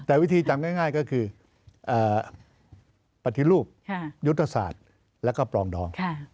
แต่วิธีจำง่ายก็คือปฏิรูปยุทธศาสตร์แล้วก็ปรองดอง